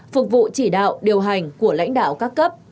năm phục vụ chỉ đạo điều hành của lãnh đạo